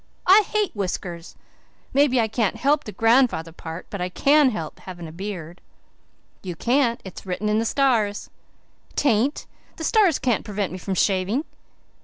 "I hate whiskers. Maybe I can't help the grandfather part, but I CAN help having a beard." "You can't. It's written in the stars." "'Tain't. The stars can't prevent me from shaving."